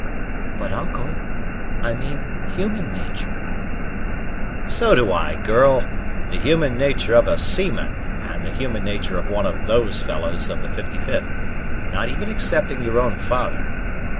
"But uncle, I mean human nature." "So do I, girl; the human nature of a seaman, and the human nature of one of these fellows of the 55th, not even excepting your own father.